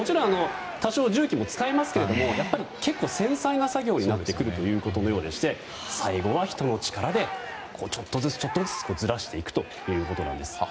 多少、重機も使いますが結構繊細な作業になってくるということのようでして最後は人の力でちょっとずつ、ちょっとずつずらしていくということなんです。